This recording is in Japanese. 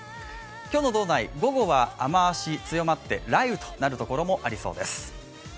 今日の道内、午後は雨足が強まって雷雨となるところもありそうです。